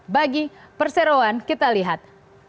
bagi perseroan kita lihat